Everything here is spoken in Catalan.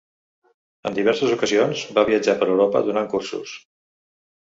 En diverses ocasions va viatjar per Europa donant cursos.